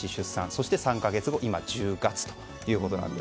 そして３か月後今１０月ということなんです。